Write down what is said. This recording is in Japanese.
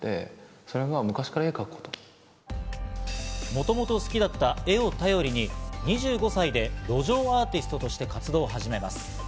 もともと好きだった絵をたよりに、２５歳で路上アーティストとして活動を始めます。